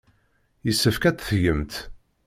Yessefk ad t-tgemt.